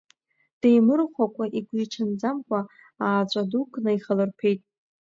Деимырхәакәа, Игәиҽанӡамкәа, ааҵәа дук неихалырԥеит.